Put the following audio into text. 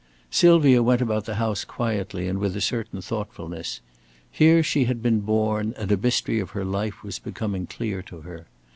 Sylvia went about the house quietly and with a certain thoughtfulness. Here she had been born and a mystery of her life was becoming clear to her.